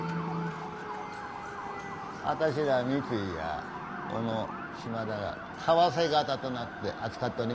あたしら三井や小野島田が為替方となって扱っておりますがね